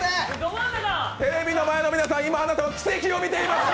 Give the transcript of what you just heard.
テレビの前の皆さん、今あなたは奇跡を見ています！